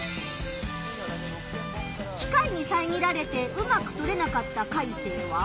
機械にさえぎられてうまく撮れなかったカイセイは？